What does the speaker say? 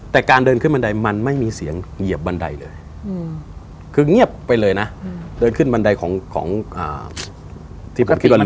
แต่การเดินขึ้นบันไดมันไม่มีเสียงเหยียบบันไดเลยคือเงียบไปเลยนะเดินขึ้นบันไดของที่ผมคิดว่า